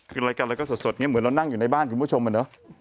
คือรายการเราก็สดเหมือนเรานั่งอยู่ในบ้านคุณผู้ชมเหรอ